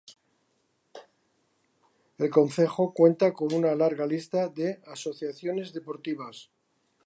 El concejo cuenta con una larga lista de asociaciones deportivas.